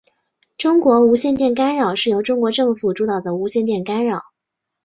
中国无线电干扰是由中国政府主导的无线电干扰。